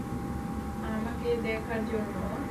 আমাকে দেখার জন্য?